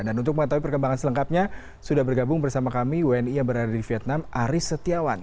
dan untuk mengetahui perkembangan selengkapnya sudah bergabung bersama kami wni yang berada di vietnam aris setiawan